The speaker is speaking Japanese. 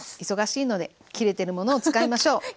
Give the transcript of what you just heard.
忙しいので切れてるものを使いましょう！